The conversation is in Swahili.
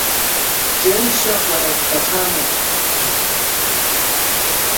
Chemsha kwa dakika mojatano